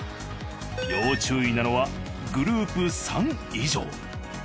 要注意なのはグループ３以上。